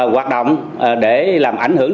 hoạt động để làm ảnh hưởng